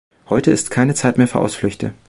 Heute ist keine Zeit mehr für Ausflüchte.